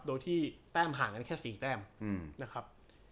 โดยที่แต้มห่างกันแค่๔แต้มนะครับ